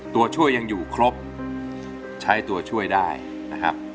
ตัวช่วยยังอยู่ครบใช้ตัวช่วยได้นะครับ